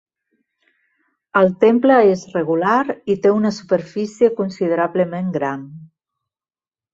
El temple és regular i té una superfície considerablement gran.